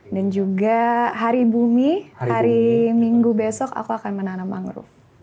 dan juga hari bumi hari minggu besok aku akan menanam mangrove